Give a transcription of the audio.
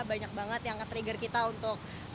banyak banget yang nge trigger kita untuk